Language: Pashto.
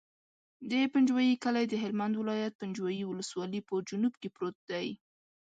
د پنجوایي کلی د هلمند ولایت، پنجوایي ولسوالي په جنوب کې پروت دی.